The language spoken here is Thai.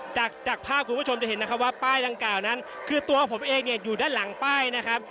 จากจากภาพคุณผู้ชมจะเห็นนะครับว่าป้ายดังกล่าวนั้นคือตัวผมเองเนี่ยอยู่ด้านหลังป้ายนะครับ